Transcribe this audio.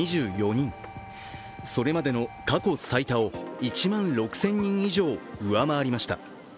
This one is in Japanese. それまでの過去最多を１万６０００人以上、上回りました。